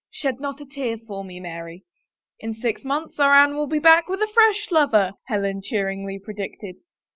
" Shed not a tear for me, Mary." " In six months our Anne will be back with a fresh lover," Helen cheeringly predicted.